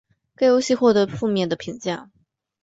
该游戏获得负面的评价。